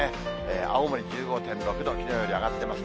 青森１５．６度、きのうより上がってます。